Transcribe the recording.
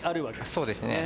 そうですね。